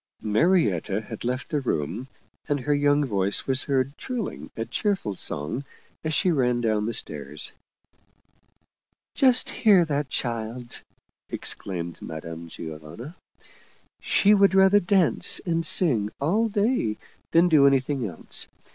Marietta had left the room, and her young voice was heard trilling a cheerful song as she ran down the stairs. " Just hear that child !" exclaimed Madame Giovanna. " She would rather dance and sing all day than do any thing else.